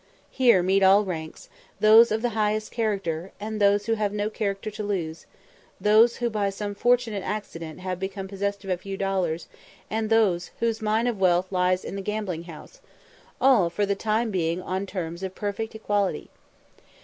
Here meet all ranks, those of the highest character, and those who have no character to lose; those who by some fortunate accident have become possessed of a few dollars, and those whose mine of wealth lies in the gambling house all for the time being on terms of perfect equality.